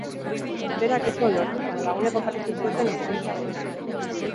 Berak ez zuen lortu, baina lagunek oparitu zioten ezkontza egunean.